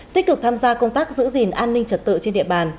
tích cực tham gia công tác giữ gìn an ninh trật tự trên địa bàn